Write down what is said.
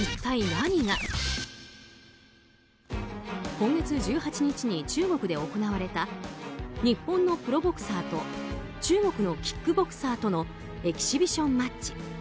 今月１８日に中国で行われた日本のプロボクサーと中国のキックボクサーとのエキシビションマッチ。